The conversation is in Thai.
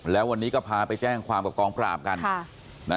แล้ววันนี้ก็พาไปแจ้งความกับกองปราบกัน